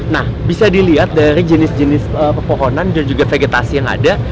nah bisa dilihat dari jenis jenis pepohonan dan juga vegetasi yang ada